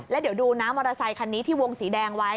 แล้วเดี๋ยวดูนะมอเตอร์ไซคันนี้ที่วงสีแดงไว้